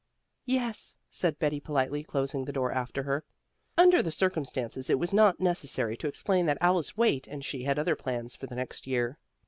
"Yes," said Betty politely, closing the door after her. Under the circumstances it was not necessary to explain that Alice Waite and she had other plans for the next year.